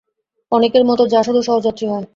অনেকের মতো জাসদও সহযাত্রী হয়।